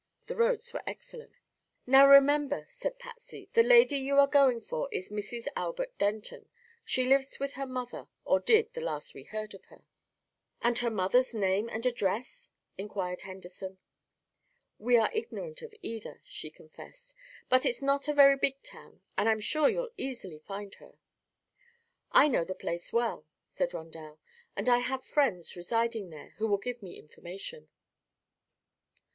The roads were excellent. "Now, remember," said Patsy, "the lady you are going for is Mrs. Albert Denton. She lives with her mother, or did, the last we heard of her." "And her mother's name and address?" inquired Henderson. "We are ignorant of either," she confessed; "but it's not a very big town and I'm sure you'll easily find her." "I know the place well," said Rondel, "and I have friends residing there who will give me information."